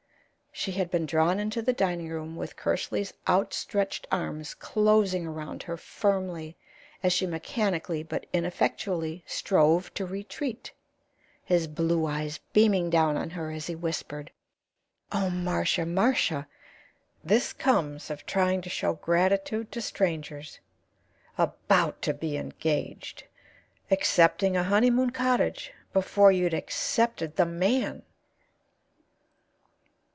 She had been drawn into the dining room with Kersley's outstretched arms closing around her firmly as she mechanically but ineffectually strove to retreat, his blue eyes beaming down on her as he whispered: "Oh, Marcia, Marcia! This comes of trying to show gratitude to strangers. 'About to be engaged!' Accepting a honeymoon cottage before you'd accepted the man!"